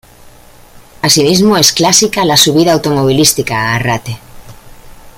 Así mismo es clásica la subida automovilística a Arrate.